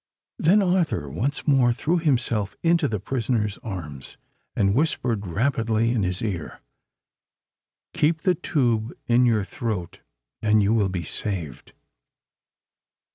Then Arthur once more threw himself into the prisoner's arms, and whispered rapidly in his ear, "Keep the tube in your throat—and you will be saved!"